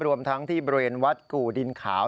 รวมทั้งที่บริเวณวัดกู่ดินขาว